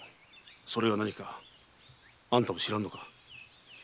それがなにかあんたも知らんのか？